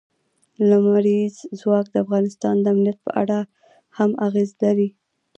لمریز ځواک د افغانستان د امنیت په اړه هم اغېز لري.